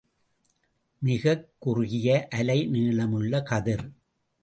மிகக் குறுகிய அலை நீளமுள்ள கதிர்.